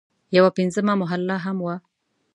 یوه پنځمه محله هم وه.